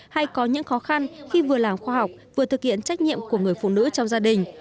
hay có những khó khăn khi vừa làm khoa học vừa thực hiện trách nhiệm của người phụ nữ trong gia đình